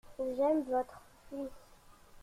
J'aime votre fils.